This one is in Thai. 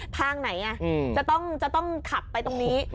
ทางไหนจะต้องขับไปตรงนี้